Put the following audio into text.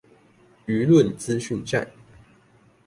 輿論資訊戰